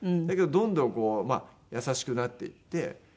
だけどどんどん優しくなっていって。